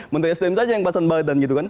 menteri sdm saja yang pasan baledan gitu kan